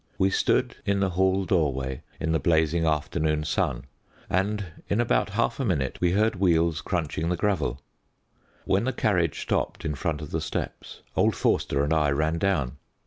We stood in the hall doorway, in the blazing afternoon sun, and in about half a minute we heard wheels crunching the gravel. When the carriage stopped in front of the steps old Forster and I ran down.